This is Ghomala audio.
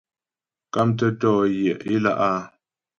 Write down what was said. Mkámtə́ tɔ̌ yaə̌ ě lá' a.